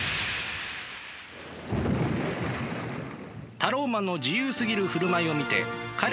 タローマンの自由すぎる振る舞いを見て彼らは思った。